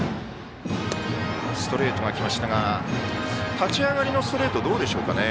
立ち上がりのストレートどうですかね。